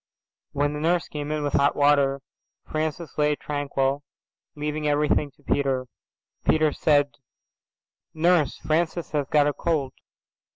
When the nurse came in with hot water Francis lay tranquil leaving everything to Peter. Peter said, "Nurse, Francis has got a cold."